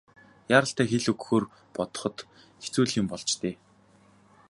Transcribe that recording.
Яаралтай хэл өгөхөөр бодоход хэцүү л юм болж дээ.